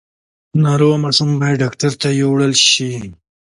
ناروغه ماشوم باید ډاکټر ته یووړل شي۔